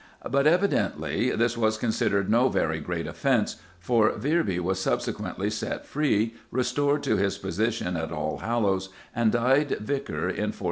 But evidently this was considered no very great offence, for Virby was subsequently set free, restored to his position at Allhallows, and died Vicar in 1453.